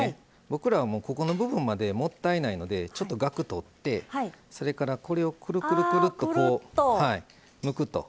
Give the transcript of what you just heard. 僕らはもうここの部分までもったいないのでちょっとガク取ってそれからこれをクルクルクルッとむくと。